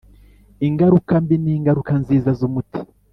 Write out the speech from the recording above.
ingaruka mbi n'ingaruka nziza z'umuti